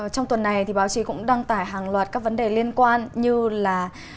trong tuần này thì báo chí cũng đăng tải hàng loạt các vấn đề liên quan như là